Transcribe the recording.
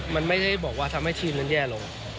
มันไม่ได้บอกว่าทำให้ทีมนั้นแย่ลง